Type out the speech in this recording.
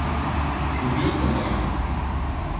S'ubrió con l'aire.